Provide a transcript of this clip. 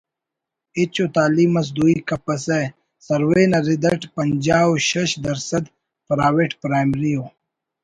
ہچ ءُ تعلیم اس دوئی کپسہ سروے نا رد اٹ پنجا و شش درسَد پرائیویٹ پرائمری و